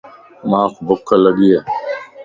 مانک ڀک لڳي ائي